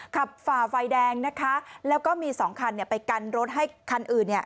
ฝ่าไฟแดงนะคะแล้วก็มีสองคันเนี่ยไปกันรถให้คันอื่นเนี่ย